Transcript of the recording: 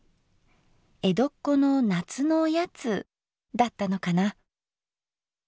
江戸っ子の夏のおやつだったのかな。